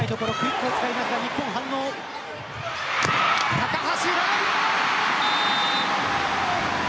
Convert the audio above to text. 高橋藍。